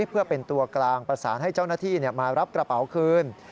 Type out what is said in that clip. เพื่อเป็นตัวกลางประสานให้เจ้าหน้าที่มารับกระเป๋าคืน